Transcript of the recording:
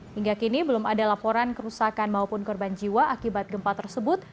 hingga kini belum ada laporan kerusakan maupun korban jiwa akibat gempa tersebut